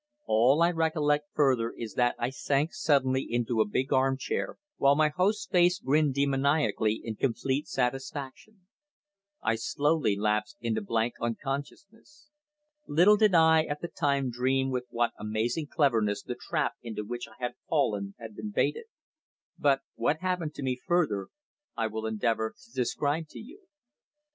All I recollect further is that I sank suddenly into a big arm chair, while my host's face grinned demoniacally in complete satisfaction. I slowly lapsed into blank unconsciousness. Little did I at the time dream with what amazing cleverness the trap into which I had fallen had been baited. But what happened to me further I will endeavour to describe to you.